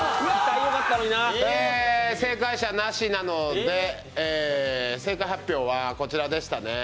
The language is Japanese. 正解者なしなので正解発表はこちらでしたね。